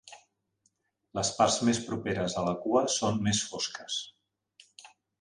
Les parts més properes a la cua són més fosques.